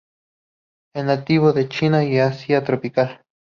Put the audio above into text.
Es nativo de China y Asia tropical.